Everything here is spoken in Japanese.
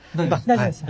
大丈夫です。